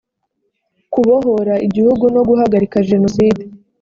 kubohora igihugu no guhagarika jenoside